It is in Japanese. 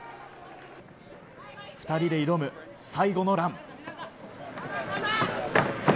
２人で挑む最後のラン。